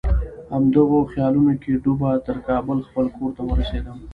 همدغو خیالونو کې ډوبه تر کابل خپل کور ته ورسېدم.